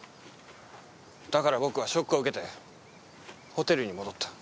だから僕はショックを受けてホテルに戻った。